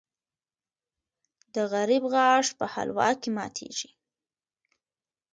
د غریب غاښ په حلوا کې ماتېږي.